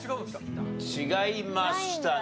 違いましたね。